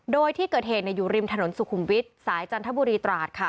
โดยที่เกิดเหตุอยู่ริมถนนสุขุมวิทย์สายจันทบุรีตราดค่ะ